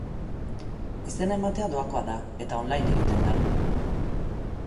Izena ematea doakoa da eta online egiten da.